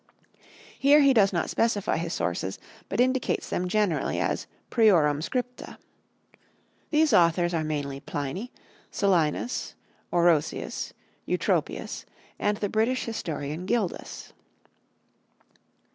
Here he does not specify his sources, but indicates them generally as priorum scripta. These authors are mainly Pliny, Solinus, Orosius, Eutropius, and the British historian Gildas.